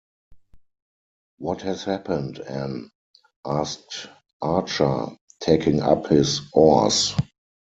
“What has happened, Anne?” asked Archer, taking up his oars.